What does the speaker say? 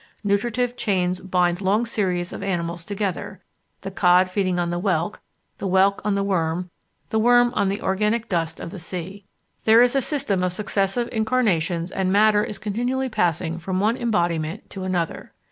Nutritive chains bind long series of animals together, the cod feeding on the whelk, the whelk on the worm, the worm on the organic dust of the sea. There is a system of successive incarnations and matter is continually passing from one embodiment to another.